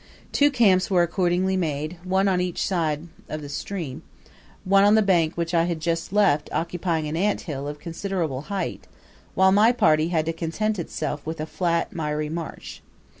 Two camps were accordingly made, one on each side of the stream; the one on the bank which I had just left occupying an ant hill of considerable height; while my party had to content itself with a flat, miry marsh.